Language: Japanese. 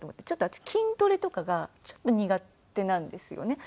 私筋トレとかがちょっと苦手なんですよね。